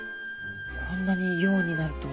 こんなに洋になるとは。